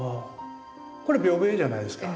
これ屏風絵じゃないですか。